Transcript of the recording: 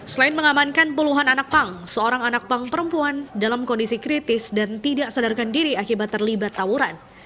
selain mengamankan puluhan anak pang seorang anak pang perempuan dalam kondisi kritis dan tidak sadarkan diri akibat terlibat tawuran